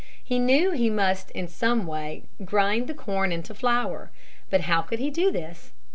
He knew he must in some way grind the corn into flour, but how could he do this?